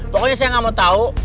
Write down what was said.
pokoknya saya gak mau tau